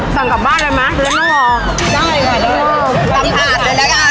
สั่งกลับบ้านได้มั้ยเพื่อนต้องรอได้ค่ะตำถาดด้วยแล้วกัน